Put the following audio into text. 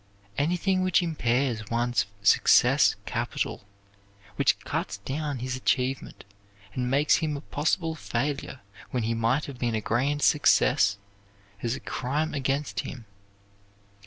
Anything which impairs one's success capital, which cuts down his achievement and makes him a possible failure when he might have been a grand success, is a crime against him.